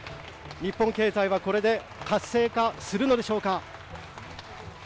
日本経済はこれで活性化するのでしょうか。